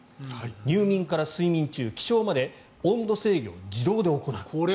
入眠から睡眠中、起床まで温度制御を自動で行う。